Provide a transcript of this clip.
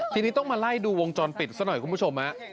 ทีนี้ต้องมาไล่ดูวงจรปิดซะหน่อยคุณผู้ชมฮะ